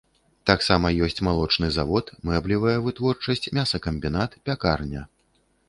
Таксама ёсць малочны завод, мэблевая вытворчасць, мясакамбінат, пякарня.